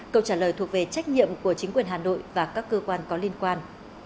câu trả lời thuộc về trách nhiệm của chính quyền hà nội và các cơ quan có liên quan